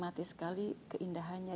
menikmati sekali keindahannya